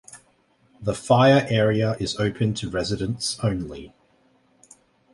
The fire area is open to residents only.